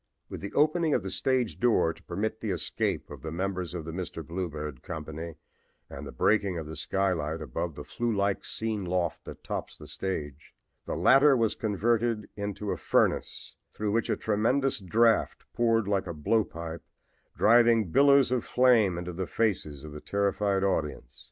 With the opening of the stage door to permit the escape of the members of the 'Mr. Bluebeard' company and the breaking of the skylight above the flue like scene loft that tops the stage, the latter was converted into a furnace through which a tremendous draft poured like a blow pipe, driving billows of flame into the faces of the terrified audience.